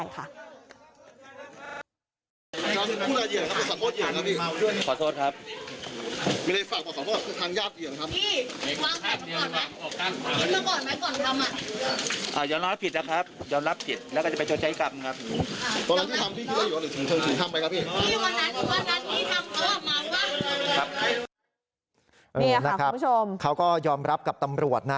เขาก็ยอมรับกับตำรวจนะ